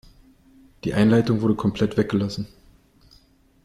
Die Einleitung wurde komplett weggelassen.